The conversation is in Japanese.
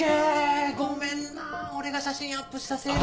ごめんな俺が写真アップしたせいで。